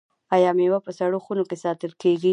آیا میوه په سړو خونو کې ساتل کیږي؟